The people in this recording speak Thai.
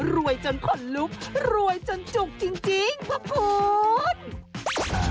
รวยจนหลุกรวยจนจุกจริงพระผู้น